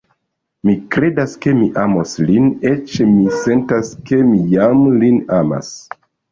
Mi kredas, ke mi amos lin; eĉ mi sentas, ke mi jam lin amas.